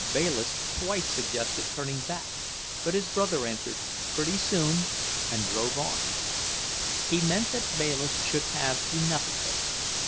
Bayliss twice suggested turning back, but his brother answered, "Pretty soon," and drove on. He meant that Bayliss should have enough of it.